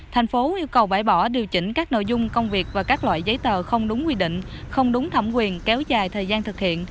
thành phố yêu cầu bãi bỏ điều chỉnh các nội dung công việc và các loại giấy tờ không đúng quy định không đúng thẩm quyền kéo dài thời gian thực hiện